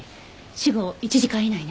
死後１時間以内ね。